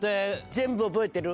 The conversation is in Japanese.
全部覚えてる。